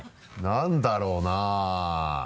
何だろうな？